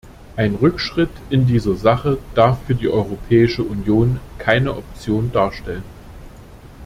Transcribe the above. Ein Rückschritt in dieser Sache darf für die Europäische Union keine Option darstellen.